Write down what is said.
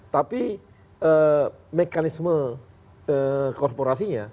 tapi mekanisme korporasi